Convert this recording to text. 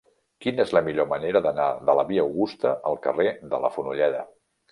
Quina és la millor manera d'anar de la via Augusta al carrer de la Fonolleda?